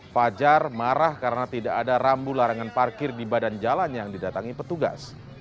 fajar marah karena tidak ada rambu larangan parkir di badan jalan yang didatangi petugas